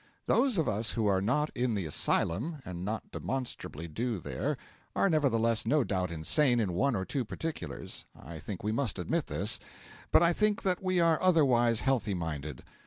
Those of us who are not in the asylum, and not demonstrably due there, are nevertheless no doubt insane in one or two particulars I think we must admit this; but I think that we are otherwise healthy minded.